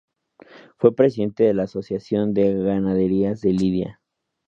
Fue Presidente de la Asociación de Ganaderías de Lidia.